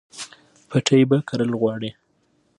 پټی به کرل غواړي